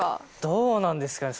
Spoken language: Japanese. どうなんですかね